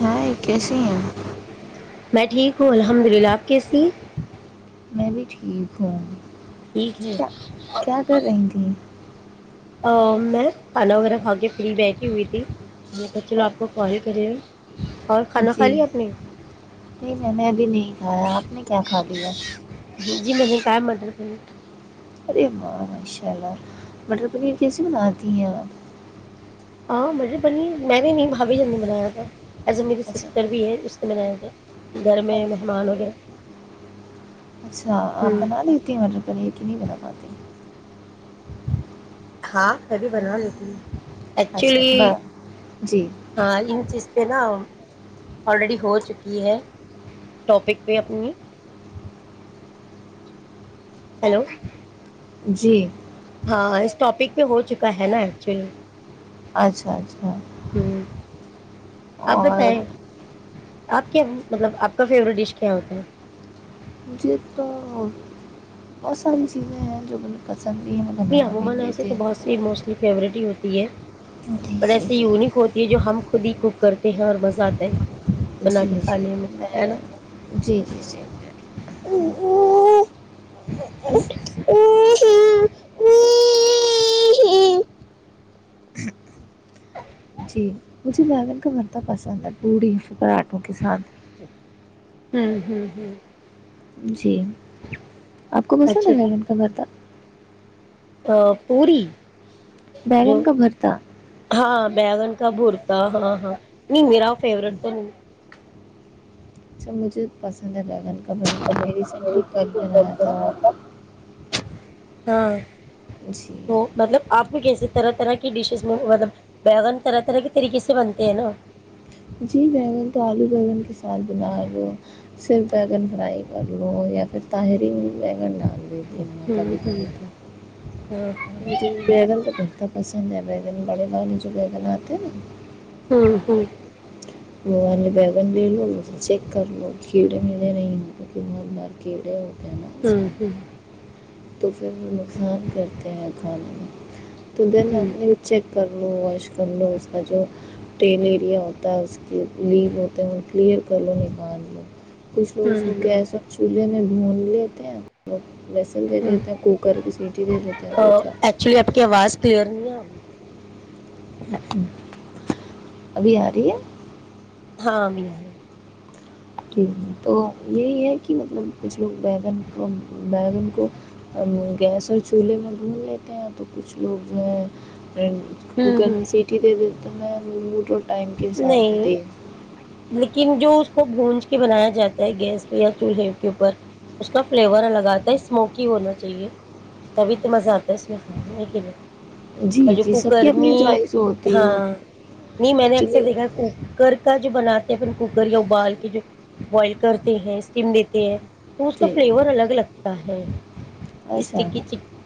ہاں یہ کیسے ہیں ہ الحمد للہ آپ کیسیے ہیں میں بھی ٹھیک ہوں ٹھیک ہے کیا کیا کر رہی تھی ا میں کھانا وغیرہ کھا کے فری بیٹھی ہوئی تھی چلو آپ کو کال کرے جی نہیں میں نے ابھی نہیں کھایا آپ نے کیا کھا لیا جی مجھے ائم آڈر کر ارے ماں ماشاء اللہ مٹر پنیر کیسے بناتی ہیں آپ ہاں م بنی میں نے نہیں بابھی ج نے بنایا تھا ایز ا میری سسٹر بھی ہے اس [unintelligible] گھر میں مہمان ہو گیا اچھا آپ بنا لیتی ہیں مٹر پ یہ کہ نہیں بنا پاتی ہاں میں بھیھی بناو لیتی ہوں ایکچولی ہاں ان چیز پہ نا آلریڈی ہو چکی ہے ٹاپک پہ اپنی ہیلو جی ہاں اس ٹاپک پہ ہو چکا ہے نا ایکچولی اچھا اچھا ہوں آپ اور بتائیں آپ کیا مطلب آپ کا فیوریٹ ڈش کیا ہوتا ہے مجھے تو بہتسانی چیزیں ہیں جو میں پ [inaudible] کرتے ہیں اور مزہ آتا ہے بنا جی جی کے میں کھانے ہے نا جی جی جی [unintelligible] ا جی مجھے بیگن کا برتہ پسند ہے پوڑی پھر پراٹھوں کے ساتھ ہوں ہوں ہ جی آپ کو کوسا تھا مڈم کابر تھا ا پوری جو بیگن کا بھرتا ہاں بیگن کابورتا ہاں ہاں نہیں میرا فیورٹ تو نہیں سب مجھے پسند ہے لگن خبر تھا میں نے ریسینٹلی کل پہ رہا تھا ہاں تو مطلب آپ کو کیسے طرح طرح کی ڈش ج مطلب بگن طرح طرح کے طریقے سے بنتے ہیں نا جی بیگن تو آلو بیگن کے ساتھ بنا لو صرف بیگن فرائی کر لو یا پھر تاہرین بیگن ڈال د میں ہوں کبھی ہوں کبھی ہاں تو بگن تو بیٹھتا بس دندہ بیگن بڑے والال جو بے گا ہوتے ہیں ہاں ہاں وہ وال نے بگ لے لو م چیک کر لو کڑے میرے نہیںار کیڑے ہو ہاں ہوں پھر نقصان کرتے ہیں کھانے میں تو دین اپ چیک کر لو واش کر لو اس کا جو پین ایریا ہوتا ہے اس لیگ ہوتے ہیں وہ کلیئر کر لو نکان میں کچھ لوگ اس کو گیس ایکچولی اور چولہے میں مولیہت ہیں بیگن دے دیتے ہیں کوکر مے سیٹی دے دیتے ہیں دو چار آپ کی آواز کلیئر نہیں آ رہی ابھی آ رہی ہے ہاں ابھی جٹ تو یہی ہے کہ مطلب کچھ لوگ بیگن کو بیگن کو گیس اور چولہے میں بھون لیتے ہیں تو کچھ لوگ جو ہے ہوں کوکر ہوں کی سیٹی دے دیتے ارے نہیں لیکن جو اس کو بھون کے بنایا جاتا ہے گیس پہ یا چولہے کے اوپر اس کا فلیور الگ آتا ہے اسموکی ہونا چاہیے تبھی تو مزہ آتا ہے اس میں کھانے میں نہیں اور جی جو جی سب کی کوکر اپنی میں چوائس ہوتی ہو ہاں نہیں میں نے اکثر ایکچولی کوکر کا جو بناتے ہیں اپ کوکر یا ابال کے جو بوائل کرتے ہیں اسٹیم دیتے ہیں تو اس کا فلیور الگ لگتا ہے اسٹکی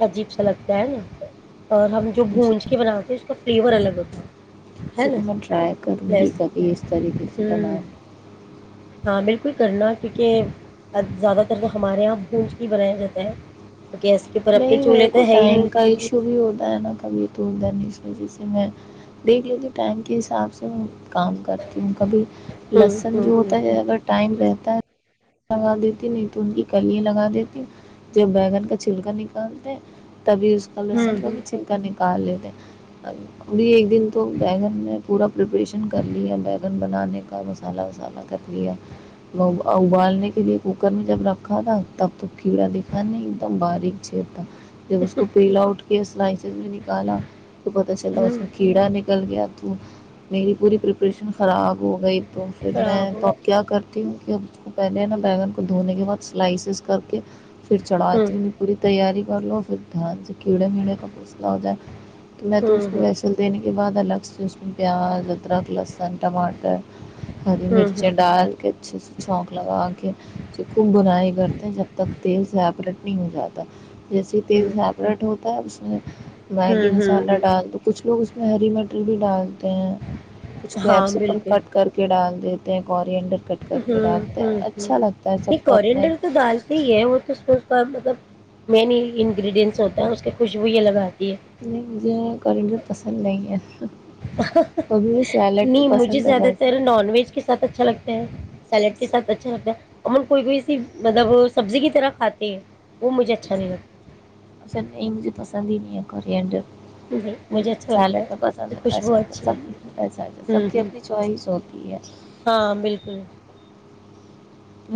عجیب سا لگ ہے نا اور ہم جو بھونج کے بناتے ہیں اس کا فلیور الگ ہوتا ہے ہے نا ٹرائی کروں گی پلس کبھی اس طریقے سے ہوں بنایں ہاں بالکل کرنا کیونکہ زیادہ تر جو ہمارے یہاں بھونج کے هی بنایا جاتا ہے تو گیس کے اوپر اب تو نہیں چولہے میرے تو کو ہے ہی ٹائم نہیں کا ایشو بھی ہوتا ہے نا کبھی تو بن نہیں جی میں دیکھ لیتی ہوں ٹائم کے حساب سے کام کرتی ہوں کبھی ہوں لہسن ہوں جو ہوں ہوتا ہے اگر ٹائم رہتا ہے لگا دیتی نہیں تو ان کی کلیا لگا دیتی جب بیگن کا چھلکا نکالتے تبھی اس کا ہوں لسن کا بھی ہوں چھلکا نکالتے لیتے ایک دن تو بیگن نے پورا پریپریشن کر لیا ہے بگن بنانے کا مسالہ وسالہ کر لیا اوبال نے کے لیے کوکر میں جب رکھا تھا تب تو کیڑا دکھا نہیں ایک دم باریک تھا جب اس کو پیل آؤٹ کے نکالا تو پتا چلا اس ہوں میں کیڑا کل گیا تو میری پوری پریپریشن خراب ہو گئی تو پھر میں خراب ہو تو اب کیا کرتی ہوں [inaudible] پہلے نا بیگن کو دھونے کے بعد سلائسیز کر کے پھر ہوں چڑھاتی نہیں پوری تیاری کر لو پھر کیڑے میڑے واپس نا ا جائے تو میں تو اس ہوں کو ہوں ویسے دینے کے بعد الگ سے اسکو پیاز ادرک لہسن ٹماٹر ہری ہوں ہوں مرچی ڈال کے اچھے سے چونک خب بنائی کرتے ہیں جب تک تیل سے ایپریٹ نہیں ہو جاتا جیسے تیل ہوں سیپریٹ ہوتا ہے اس میں میگی ہوں ہوں مسالہ ہوں ڈال دو کچھ لوگ اس ہری مٹر بھی ڈال اپ کچھ ہاں کریپس اپن بالکل کٹ کر کے ڈال د دیتے ہیں کارن ڈر کٹ کر کا ہوں ہوں ہ یہ کنڈر تو دال سے ہی ہے وہ تو سوچتا ہے مطلب مین انگریڈینٹس ہوتا ہے اس کے خوشبو ہی لگ آتا نہیں مجھے کیڈر پسند نہیں ہے نہیں مجھے زیادہ تر نان ویج کے ساتھ اچھا لگتا ہے سیلیڈ کے ساتھ اچھا لگتا ہے ا کوئی کوئی ایسی مطلب سبزی کی طرح کھاتے ہیں وہ مجھے اچھا نہیں لگتا اصل نہیں مجھے پسند ہی نہیں ہے کرنڈر نہیں مجھے اچھا لگتا ہے سیالڈ تو اس کی پسندنا خوشبو چاہتا اچھی ہوتی ہے سبتا ہوں سب کی ہوں اپنی چوائس ہوتی ہے ہاں بالکل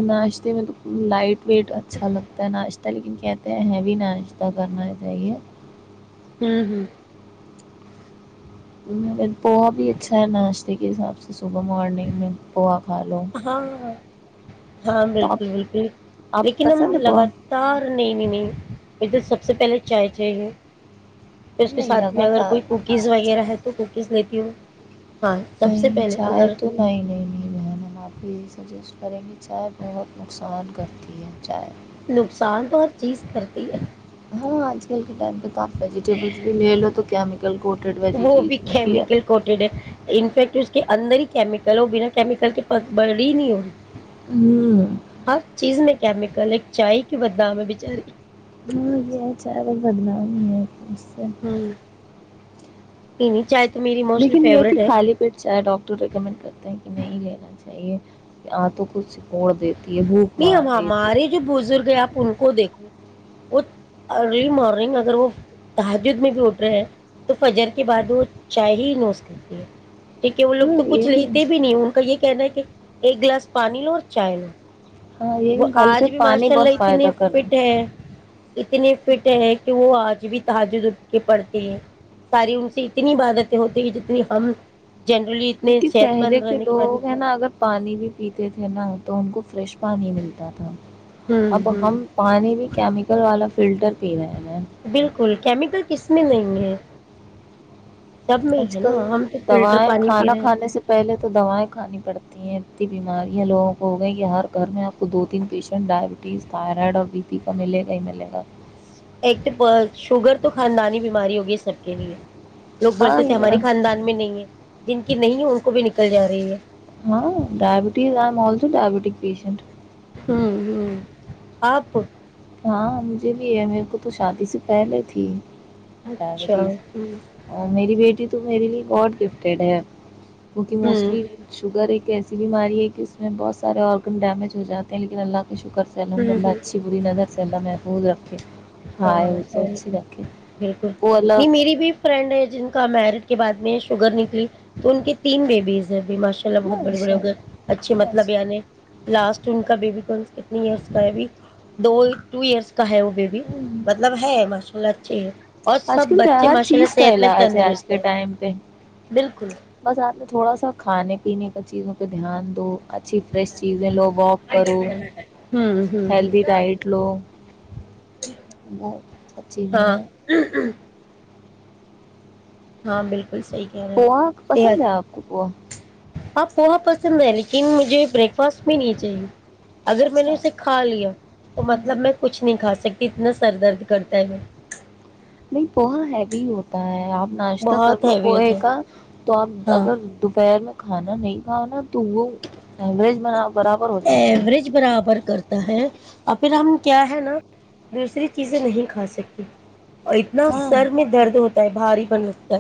ناشتے میں تو لائٹ ویٹ اچھا لگتا ہے ناشتہ لیکن کہتے ہیں ہیوی ناشتہ کرنا چاہیے ہوں ہوں مگر پوہا بھی اچھا ہے ناشتے کے حساب سے صبح مارورننگ میں پہا کھ لو ہاں ہاں بالکل بالکل لیکن ہم لگاتار نہیں نہیں نہیں یہ تو سب سب سے پہلے چائے چاہیے پھر اس کے ساتھ میں اگر کوئی کوکیز وغیرہ ہے تو کوکیز لیتی ہوں ہاں سب سے پہلے اگر نہیں نہیں نہیں مہم ہم آپ کو یہی سجیسٹ کریں گے چائے بہت نقصان کرتی ہے چائے نقصان تو ہر چیز کرتی ہے ہاں آج کل کتا ت ویجیٹیبلس بھی لے لو تو کیمیکل کوٹڈ ویجیٹیبلس بھی ہے کہ اندر ہی کیمییکل ہو بنا کیمییکل کے پ بڑی نہیں ہوی ہوں میں کیمیکل ایک چائے کی بدنام بچاری ہو یہ چ اور بدنؤ بھی نہیں ہے اچھا تیین چائے تو میری موسٹلی لیکن یہ کہ فیوریٹ ہے خالی پیٹ چاہے ڈاکٹر ریکمنڈ کرتے ہیں کہ نہیں لینا چاہی یہ ہ تو کچھ نہیں اب ہمارے جو بزرگ ہیں آپ ان کو دیکھو وہ ارلی مارننگ اگر وہ تحاجد میں بھی اٹھ رہے ہیں تو فجر کے بعد وہ چائے ہی نوس کرتی ہے ٹھیک ہے وہ لوگ تو کچھ لیتے بھی نہیں ان کا یہ کہنا ہے کہ ایک گلاس پانی لو اور چائے لو وہ آج بھی ماشاء اللہ اتنی فٹ ہے اتنی فٹ ہے کہ وہ آج بھی تج کے پڑتے ہیں ساری ان سے اتنی عبادتیں ہوتی ہیں جتنی ہم جنرلی اتنے کیونکہ صحت پہلے مند کے رہنے بعد لوگ ہیں نا اگر پانی بھی پیتے تھے نا تو ان کو فریش پانی ملتا تھا ہوں اب ہوں ہم پانی بھی کیمیکل والا فلٹر بالکل کیمیکل کس میں نہیں ہے سب میں ہی آج ہے کل نا ہم تو فلٹر دوائیں پانی پی کھانا رہے ہیں کھانے سے پہلے تو دوائیں کھانی پڑتی ہیں انی بیماریاں لوگوں کو ہو گئیں کہ ہر گھر میں آپ کو دو تین پیشنٹ ڈائبٹیز تھائرائڈ اور بی پی کا ملے گا ہی ملے گا ایک تو شگگر تو خاندانی بیماری ہوگی سب کے لیے لوگ بولتے تھے ہماراری خاندان میں نہیں ہے جن کی نہیں ہے ان کو بھی نکل جا رہی ہے ہاں ڈائبٹیز آ تو ڈائبٹیک پیشنٹ ہوں ہ آپ ہاں مجھے بھی یہ میرے کو تو شادی سے پہلے تھی بھی اچھا چیز ہوں اور میری بیٹی [inaudible] تو میرے لیے گاڈ گفٹیڈ ہے کیکہ ہوں موسٹلی شوگر ایک ای اسی بیماری ہے کہ اس میں بہت سارے آرگن ڈیمیج ہو جے ہیں لیکن اللہ شکر ہوں سحمدلہ ہوں اچھی بری نظر خ رکھے [inaudible] ہاں بالکل نہیں میری بھی فرینڈ ہے جن کا میرج کے بعد میں شوگر نکلی تو ان کے تین بیبیز ہیں اب بھی ماشاء اللہ بہت بڑے بڑے ہو گئے اچھے مطلب آنے لاسٹ ان کا بیبی کون کتنے ایئرس کا ہے ابھی دو ٹو ایئرس کا کا ہے وہ بیبی مطلب ہے ماشاء اللہ جی آج کل تو ہر چیز کا علاج ہے آج کے ٹائم پہ بالکل بس آپ تھوڑا سا کھانے پینے کا چیزوں پہ دھیان دو اچھی فریش چیزیں لو واک کرو ہوں ہوں ہوں ہیلدی ڈائٹ لو ب سب چیزیں ہیں ہ [unintelligible] ہاں بالکل صحیح کہہ رہے ہو پووا پسند ہے آپ کو پووا آپ وہاں پسند ہے لیکن مجھے بریک فاسٹ میں نہیں چاہیے اگر میں نے اسے کھا لیا تو مطلب میں کچھ نہیں کھا سکتی کتنا سر درد کرتا ہے میں نہیں پووا ہیوی ہوتا ہے آپ ناشتہ کر بہت لو ہیوی پوہے ہوتا کا ہے تو آپ ہاں اگر دوپہر میں کھانا نہیں کھا نا تو وہ ایوریج بنا ایوروریج برابر کرتا ہے اور پھر ہم کیا ہے نا دوسری چیزیں نہیں کھا سکتی اور اتنا سر میں درد ہوتا ہے بھاری ب نکتا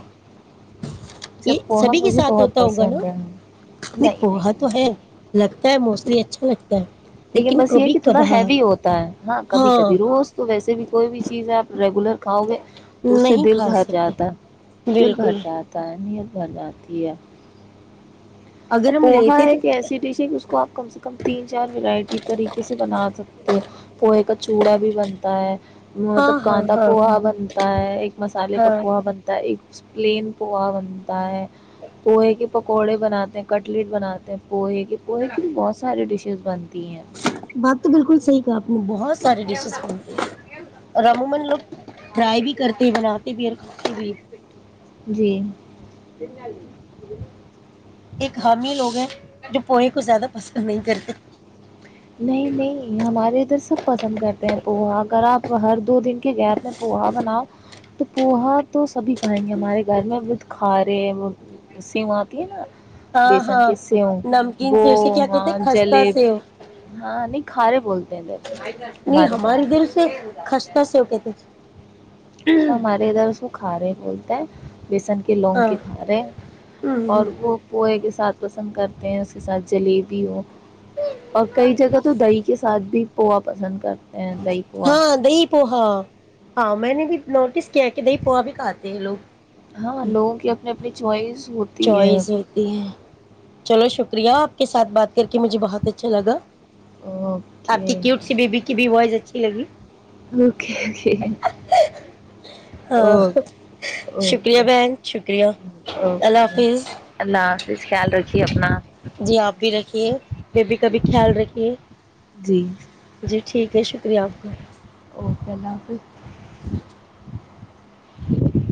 یہ سبھی کے ساتھ ہوتا ہوگا ن نہیں پوا تو ہے لگتا ہے موس اس یہ اچھا لگتا ہے لیکن بس یہ کبھی کہ تھوڑا کبھار ہیوی ہوتا ہے ہاں کبھی کبھی روز تو ویسے بھی کوئی بھی چیز ہے آپ ریگولر کھاؤ گے تو اس سے نہیں دل کھا بھر سکتے جاتا ہے دل بھر بالکل جاتا ہے تت بداتات ہے ا اگر ہم پوہا لیتے ہے تو ایک ایسی ڈش ہے جس کو آپ کم سے کم تین چار ورائٹی طریقے سے بنا سکتے ہو پوہے کا چوڑا بھی بنتا ہے ہاں مطلب ہاں کاندا ہاں پوہا بنتا ہے ایک مسالے کا ہاں پوہا بنتا ہے ایک پلین پوہا بنتا ہے پوہے کے پکوڑے بناتے ہیں کٹلیٹ بناتے ہیں پوہے کے پوہے کی تو بہت سارے ڈشیز بند بات تو بالکل سی کا آپ نے بہت [inaudible] جی ایک حامی لوگ ہیں جو پوہ کو زیادہ پسند نہیں کرتے نہیں نہیں ہمارے ادھر سب پسند کرتے ہیں وہ اگر آپ ہر دو دن کے گیت میں پوہا بناؤ تو پوہا تو سبھی کھیں گے ہمارے گھر میں وت کھارے سیو آتی ہے نا ہاں ہاں نمکین سے اسے کیا کہتے خستہ سے وہ اں نہیں کارے بولتے نہیں ہماریے دل سے خستت سےو کہے ت س ہمے ادھر سو کھا رہے بولتے ہیں بیسن کے لونگ ہاں کے کھارے ہمم اور ہمم وہ پوئے کے ساتھ پسند کرتے ہیں اس کے ساتھ جلیبی ہو اور کئی جگہ تو دہی کے ساتھ بھی پوا پسند کرتا ہ ہاں دئی پو ہا ہاں میں نے بھی نوٹس کیا کہ دی پوہا بھی کھاتے ہیں لوگ چوائز چوائز ہوتی ہے چلو شک شکری آپ کے ساتھ بات کر کے مجھے بہت اچھا لگا آپ کی کیوٹ سی بی بیی کی بی وائس اچھی لگی اوکے ہاں شکریہ اوکے بہن شکریہ او اللہ کے حافظ اللہ حافظ خیال رکھ جی آپ بھی رکھیے بیبی کا بھی خیال رکھیے جی جی ٹھیک ہے شکریہ آپ کا اوکے اللہ حافظ [inaudible] [inaudible]